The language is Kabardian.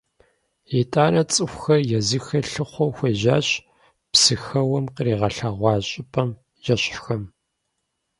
ИтӀанэ цӀыхухэр езыхэр лъыхъуэу хуежьащ Псыхэуэм къригъэлъэгъуа щӀыпӀэм ещхьхэм.